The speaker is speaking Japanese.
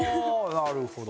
なるほど。